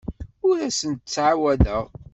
Ur asent-d-ttɛawadeɣ.